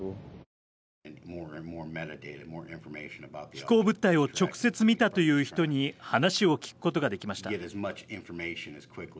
飛行物体を直接見たという人に話を聞くことができました。